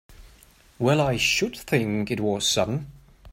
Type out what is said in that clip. Well I should think it was sudden!